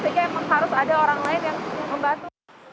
sehingga memang harus ada orang lain yang membantu